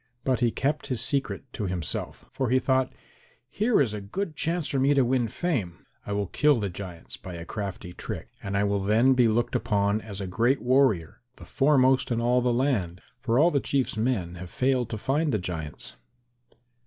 But he kept his secret to himself, for he thought, "Here is a good chance for me to win fame. I will kill the giants by a crafty trick and I will then be looked upon as a great warrior, the foremost in all the land, for all the Chief's men have failed to find the giants."